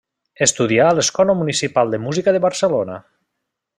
Estudià a l'Escola Municipal de Música de Barcelona.